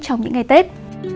trong những ngày tết